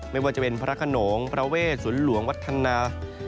ไม่ว่าจะเป็นพระขนงพระเวทสวนหลวงวัฒนา